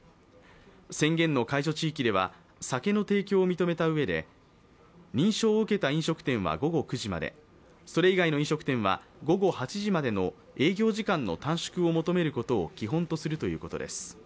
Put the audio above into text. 宣言の解除地域では、酒の提供を認めたうえで認証を受けた飲食店は午後９時まで、それ以外の飲食店は午後８時までの営業時間の短縮を求めることを基本とするということです。